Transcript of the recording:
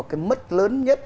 cái mất lớn nhất